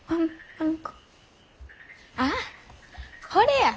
あっこれや。